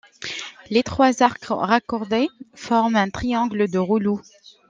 Les trois arcs raccordés forment un triangle de Reuleaux.